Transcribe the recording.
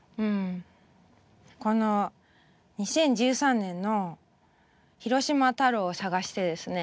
この２０１３年の「“広島太郎”を探して」ですね。